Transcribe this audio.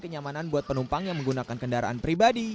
kenyamanan buat penumpang yang menggunakan kendaraan pribadi